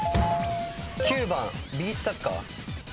９番ビーチサッカー？